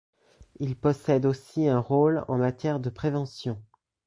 Il possède aussi un rôle en matière de prévention.